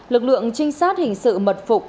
lực lượng trinh sát hình sự mật phục